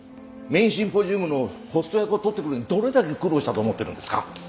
メインシンポジウムのホスト役を取ってくるのにどれだけ苦労したと思ってるんですか。